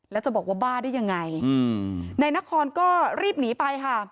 แล้วจะบอกว่าบ้าได้ยังไงอืมนายนครก็รีบหนีไปค่ะ